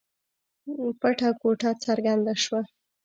پټه ګوته څرګنده شوه.